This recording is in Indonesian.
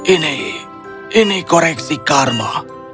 ini ini koreksi karma